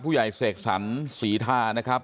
ผู้ใหญ่เสกสรรษีทานะครับ